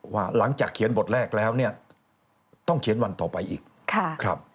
หลังจากเขียนบทแรกแล้วต้องเขียนวันต่อไปอีก